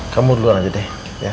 kamu duluan aja deh